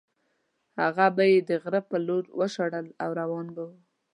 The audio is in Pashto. هغه به یې د غره په لور وشړل او روان به وو.